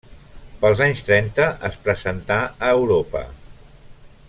Pels anys trenta es presentà a Europa.